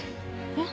えっ？